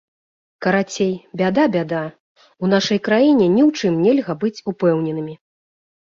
Карацей, бяда-бяда, у нашай краіне ні ў чым нельга быць упэўненымі.